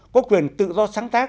có quyền tự do sáng tác